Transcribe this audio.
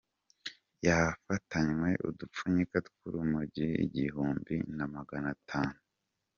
Yafatanywe udupfunyika tw’urumogi igihumbi na maganatanu